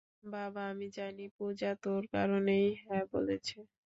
বাবা, আমি জানি, পূজা তোর কারণেই হ্যাঁ বলেছে।